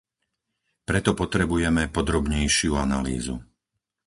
Preto potrebujeme podrobnejšiu analýzu.